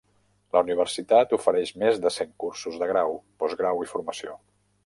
La universitat ofereix més de cent cursos de grau, postgrau i formació.